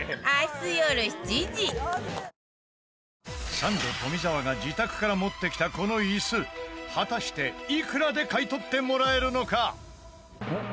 サンド富澤が自宅から持ってきた、このイス果たして、いくらで買い取ってもらえるのか？